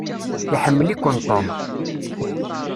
Iḥemmel-iken Tom.